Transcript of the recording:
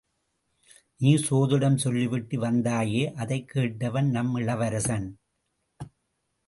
நீ சோதிடம் சொல்லிவிட்டு வந்தாயே அதை கேட்டவன் நம் இளவரசன்.